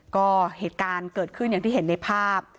ก็เหตุการณ์เกิดขึ้นอย่างที่เห็นในภาพ